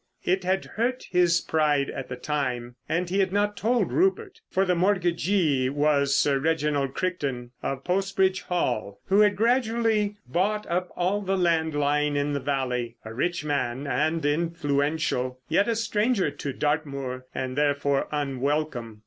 It had hurt his pride at the time, and he had not told Rupert. For the mortgagee was Sir Reginald Crichton, of Post Bridge Hall, who had gradually bought up all the land lying in the valley; a rich man and influential, yet a stranger to Dartmoor and therefore unwelcome.